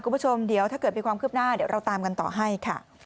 คุณผู้ชมเดี๋ยวถ้าเกิดมีความคืบหน้าเดี๋ยวเราตามกันต่อให้ค่ะ